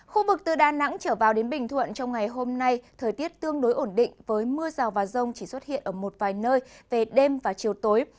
khu vực từ đà nẵng trở vào đến bình thuận trong ngày hôm nay thời tiết tương đối ổn định với mưa rào và rông chỉ xuất hiện ở một vài nơi về đêm và chiều tối